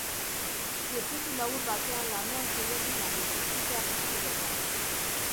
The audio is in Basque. Zirkuitu labur batean lanean zeuden bi langile, sutea piztu denean.